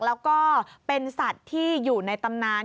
แล้วก็เป็นสัตว์ที่อยู่ในตำนาน